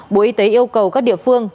bộ y tế yêu cầu các địa phương